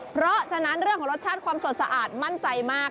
เพราะฉะนั้นเรื่องของรสชาติความสดสะอาดมั่นใจมาก